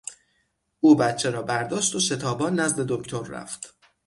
او بچه را برداشت و شتابان نزد دکتر رفت.